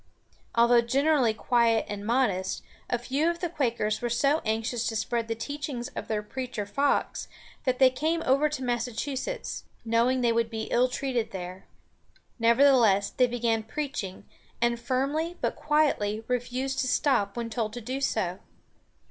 Although generally quiet and modest, a few of the Quakers were so anxious to spread the teachings of their preacher Fox that they came over to Massachusetts, knowing they would be illtreated there. Nevertheless, they began preaching, and firmly but quietly refused to stop when told to do so.